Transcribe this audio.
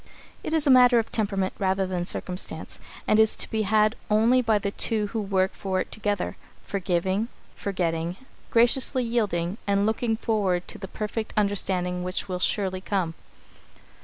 It is a matter of temperament rather than circumstance, and is to be had only by the two who work for it together, forgiving, forgetting, graciously yielding, and looking forward to the perfect understanding which will surely come.